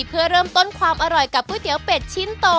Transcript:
เพื่อเริ่มต้นความอร่อยกับก๋วยเตี๋ยวเป็ดชิ้นโต